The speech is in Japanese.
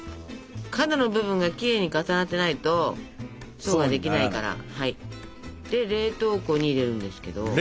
角の部分がきれいに重なってないと層ができないから。で冷凍庫に入れるんですけど。